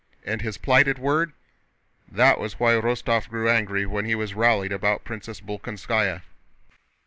And his plighted word? That was why Rostóv grew angry when he was rallied about Princess Bolkónskaya.